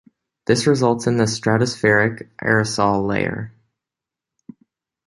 This results in the stratospheric aerosol layer.